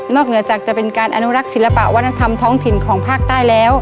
เหนือจากจะเป็นการอนุรักษ์ศิลปะวัฒนธรรมท้องถิ่นของภาคใต้แล้ว